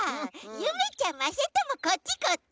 ゆめちゃんまさともこっちこっち！